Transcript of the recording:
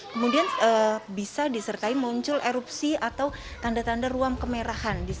kemudian bisa disertai muncul erupsi atau tanda tanda ruam kemerahan